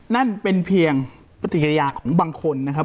นั่นเป็นเพียงปฏิกิริยาของบางคนนะครับ